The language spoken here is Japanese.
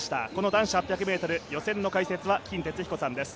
男子８００ｍ予選の解説は、金哲彦さんです。